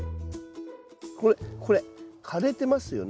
これこれ枯れてますよね？